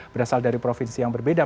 berasal dari provinsi yang berbeda